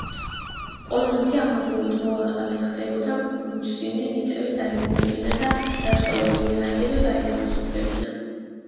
პოლონეთი ამავდროულად მოვალე ხდებოდა პრუსიული მიწები დაებრუნებინა და დატყვევებული რაინდები გაეთავისუფლებინა.